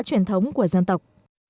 truyền thống của dân tộc